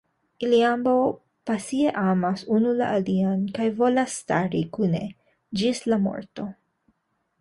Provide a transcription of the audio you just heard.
Ili ambaŭ pasie amas unu la alian kaj volas stari kune ĝis la morto.